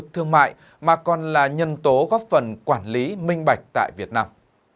thương mại mà còn là nhân tố góp phần quản lý minh bạch tại việt nam